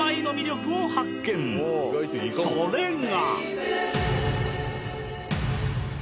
それが！